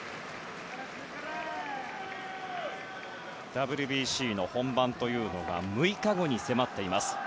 ＷＢＣの本番というのが６日後に迫っています。